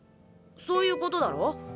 そういうことだろ？